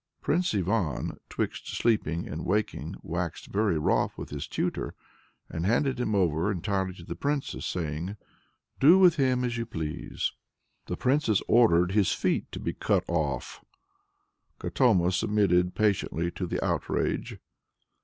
Prince Ivan, 'twixt sleeping and waking, waxed very wroth with his tutor, and handed him over entirely to the Princess, saying "Deal with him as you please!" The Princess ordered his feet to be cut off. Katoma submitted patiently to the outrage.